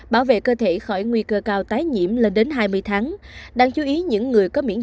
bảo vệ cơ thể khỏi nguy cơ cao tái nhiễm lên đến hai mươi tháng